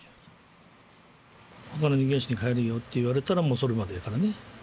他の人形師に変えるよと言われたらもうそれまでやからね。